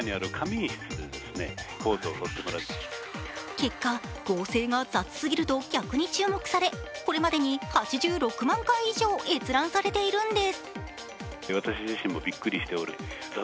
結果、合成が雑すぎると逆に注目されこれまでに８６万回以上、閲覧されているんです。